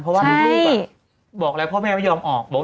เพราะว่าลูกบอกแล้วพ่อแม่ไม่ยอมออก